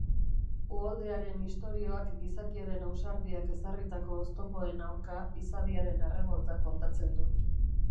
Uholdearen istorioak gizakiaren ausardiak ezarritako oztopoen aurka Izadiaren errebolta kontatzen du.